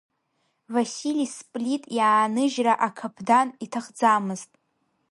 Васили Сплит иааныжьра акаԥдан иҭахӡамызт.